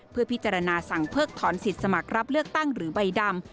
เพื่อพิจารณาสั่งเพิกถอนสิทธิ์สมัครรับเลือกตั้งหรือใบดำ